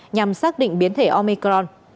nhằm xác định biến thể omicron